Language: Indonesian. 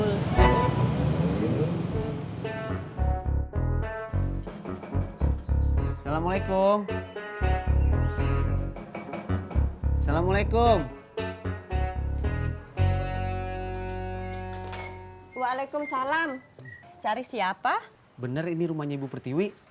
assalamualaikum assalamualaikum waalaikumsalam cari siapa bener ini rumahnya ibu pertiwi